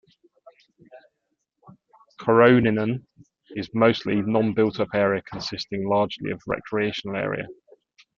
Koroinen is mostly non-built-up area, consisting largely of recreational area.